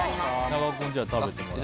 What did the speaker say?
長尾君じゃあ食べてもらって。